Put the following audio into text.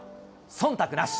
そんたくなし。